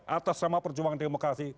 atas sama perjuangan demokrasi